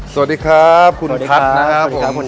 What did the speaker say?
สวัสดีครับคุณพัทรนะครับสวัสดีครับคุณนอท